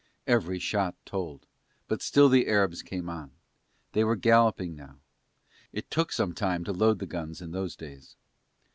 Every shot told, but still the Arabs came on. They were galloping now. It took some time to load the guns in those days.